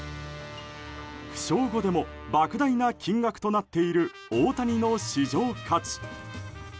負傷後でも莫大な金額となっている大谷の市場価値。